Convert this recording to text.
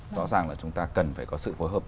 rõ ràng là chúng ta cần phải có sự phối hợp